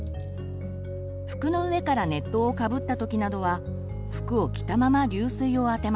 服の上から熱湯をかぶったときなどは服を着たまま流水を当てます。